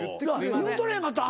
言うとれへんかったん？